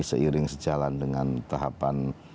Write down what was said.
seiring sejalan dengan tahapan